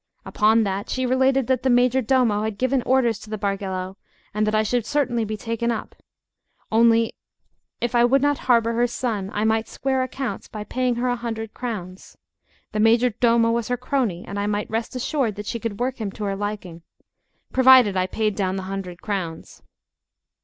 Upon that she related that the majordomo had given orders to the Bargello, and that I should certainly be taken up: only, if I would not harbour her son, I might square accounts by paying her a hundred crowns; the majordomo was her crony, and I might rest assured that she could work him to her liking, provided I paid down the hundred crowns.